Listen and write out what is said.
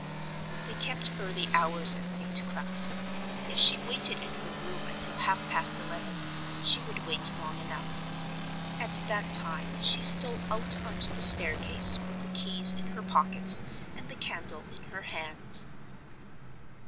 They kept early hours at St. Crux. If she waited in her room until half past eleven, she would wait long enough. At that time she stole out on to the staircase, with the keys in her pocket, and the candle in her hand.